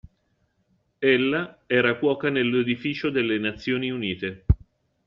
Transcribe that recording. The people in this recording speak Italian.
Ella era cuoca nell'edificio delle Nazioni Unite.